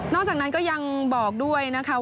จากนั้นก็ยังบอกด้วยนะคะ